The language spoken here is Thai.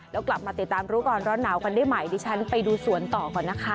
แล้วกลับมาติดตามรู้ก่อนร้อนหนาวกันได้ใหม่ดิฉันไปดูสวนต่อก่อนนะคะ